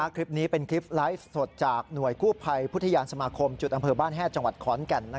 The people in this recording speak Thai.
คลิปนี้เป็นคลิปไลฟ์สดจากหน่วยกู้ภัยพุทธยานสมาคมจุดอำเภอบ้านแห้จังหวัดขอนแก่น